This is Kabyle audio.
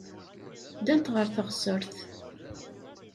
Ddant ɣer teɣsert.